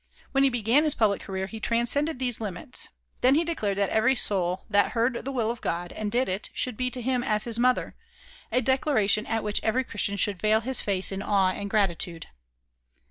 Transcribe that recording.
When he began his public career he transcended these limits. Then he declared that every soul that heard the will of God, and did it, should be to him as his mother a declaration at which every Christian should veil his face in awe and gratitude.